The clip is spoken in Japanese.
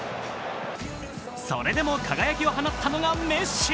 それでも輝きを放ったのがメッシ。